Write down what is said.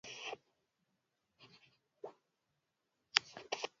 mwanamke huyo alikuwa na hamu kubwa ya kupata watoto wake